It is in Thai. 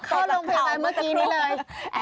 เข้าโรงพยาบาลเมื่อกี้นี้เลย